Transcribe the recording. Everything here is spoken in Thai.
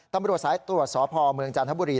ต้องไปรวดซ้ายตรวจสอบภอมเมืองจานทะบุรี